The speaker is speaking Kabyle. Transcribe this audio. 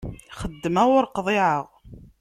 Xeddmeɣ ur qḍiɛeɣ.